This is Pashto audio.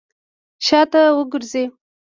شاته وګرځئ!